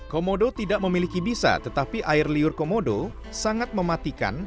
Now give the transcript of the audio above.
komodo tidak memiliki bisa tetapi air liur komodo sangat mematikan